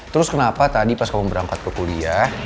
terus kenapa tadi pas kamu berangkat ke kuliah